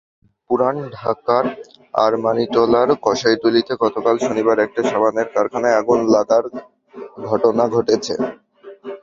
পুরান ঢাকার আরমানিটোলার কসাইটুলীতে গতকাল শনিবার একটি সাবানের কারখানায় আগুন লাগার ঘটনা ঘটেছে।